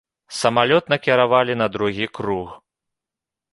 Самалёт накіравалі на другі круг.